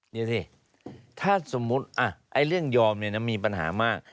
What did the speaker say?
นี่สิถ้าสมมุติเรื่องยอมเนี่ยนะมีปัญหามาก